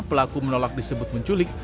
pelaku menolak disebut menculik